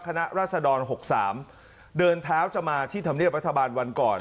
ราศดร๖๓เดินเท้าจะมาที่ธรรมเนียบรัฐบาลวันก่อน